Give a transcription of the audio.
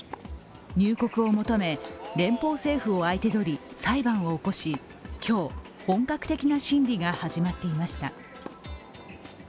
入国を求め、連邦政府を相手取り裁判を起こし今日、本格的な審理が始まっていました。